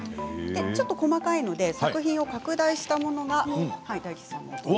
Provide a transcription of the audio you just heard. ちょっと細かいので作品を拡大したものが大吉さんの隣に。